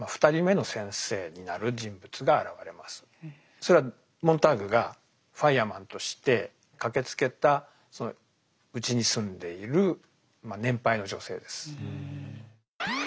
それはモンターグがファイアマンとして駆けつけたそのうちに住んでいる年配の女性です。